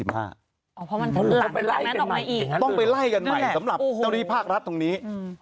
เพราะมันจะตัดตั้งแต่วันที่๑๕อีกต้องไปไล่กันใหม่สำหรับเจ้าที่ภาครัฐตรงนี้